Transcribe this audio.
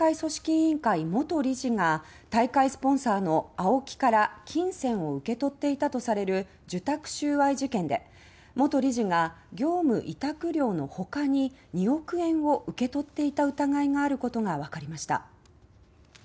委員会元理事が大会スポンサーのＡＯＫＩから金銭を受け取っていたとされる受託収賄事件で元理事が業務委託料のほかに２億円を受け取っていた疑いがあることがわかりました。